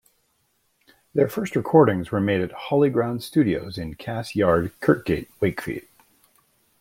Their first recordings were made at Holyground Studios in Cass Yard, Kirgate, Wakefied.